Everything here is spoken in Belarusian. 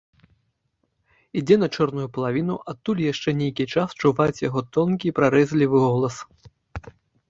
Ідзе на чорную палавіну, адтуль яшчэ нейкі час чуваць яго тонкі прарэзлівы голас.